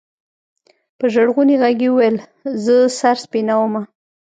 په ژړغوني ږغ يې ويل زه سر سپينومه.